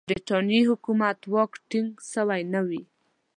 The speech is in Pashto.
د برټانیې حکومت واک ټینګ سوی نه وي.